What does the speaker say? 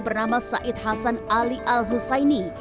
bernama said hasan ali al hussaini